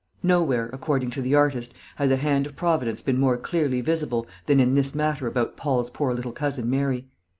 Nowhere, according to the artist, had the hand of Providence been more clearly visible than in this matter about Paul's poor little cousin Mary.